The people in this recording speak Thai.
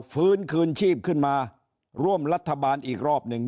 ฟื้นคืนชีพขึ้นมาร่วมรัฐบาลอีกรอบหนึ่ง